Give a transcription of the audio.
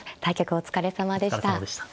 お疲れさまでした。